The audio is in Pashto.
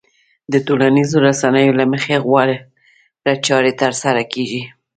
د ټولنيزو رسنيو له مخې غوره چارې ترسره کېږي.